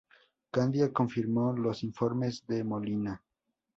Candía confirmó los informes de Molina.